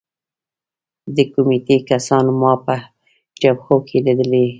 د کمېټې کسانو ما په جبهو کې لیدلی یم